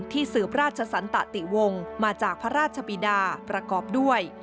สืบราชสันตะติวงมาจากพระราชบิดาประกอบด้วย